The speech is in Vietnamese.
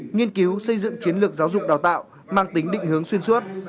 nghiên cứu xây dựng chiến lược giáo dục đào tạo mang tính định hướng xuyên suốt